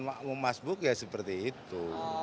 kalau yang mau masuk buka seperti itu